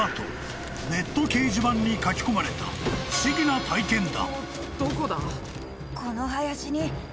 ［ネット掲示板に書き込まれた不思議な体験談］